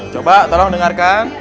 coba tolong dengarkan